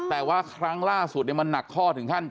แต่ว่าครั้งล่าสุดมันหนักข้อถึงขั้น